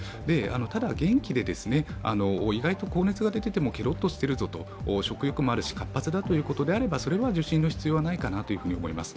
ただ、元気で意外と高熱が出てもけろっとしてるぞと食欲もあるし活発だということであれば受診の必要はないかなと思います。